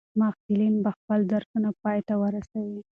محصلین به خپل درسونه پای ته ورسوي.